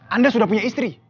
anda sudah punya istri